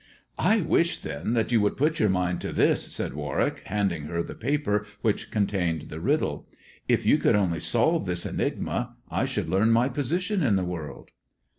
" I wish, then, that you would put your mind to this," said Warwick, handing her the paper which contained the riddle. "If you could only solve this enigma I should learn my position in the world."